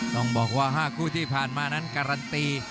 ต้องบอกว่า๕คู่ที่ผ่านมานั้นการันตี